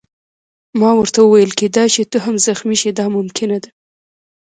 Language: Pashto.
ما ورته وویل: کېدای شي ته هم زخمي شې، دا ممکنه ده.